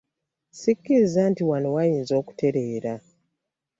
Ssikkiriza nti wano wayinza okutereera.